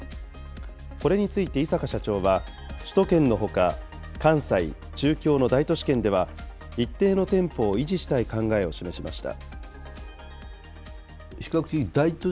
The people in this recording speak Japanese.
これについて井阪社長は、首都圏のほか、関西、中京の大都市圏では、一定の店舗を維持したい考えを示しました。